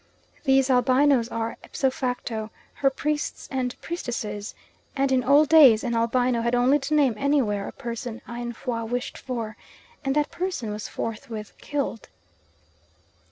These albinoes are, ipso facto, her priests and priestesses, and in old days an albino had only to name anywhere a person Aynfwa wished for, and that person was forthwith killed.